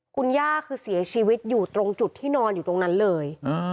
คุณย่าคือเสียชีวิตอยู่ตรงจุดที่นอนอยู่ตรงนั้นเลย